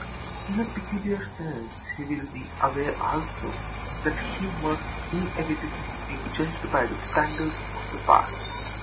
In a peculiar sense he will be aware also that he must inevitably be judged by the standards of the past.